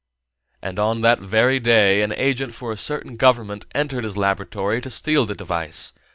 And on that very day an agent for a certain government entered his laboratory to steal the device.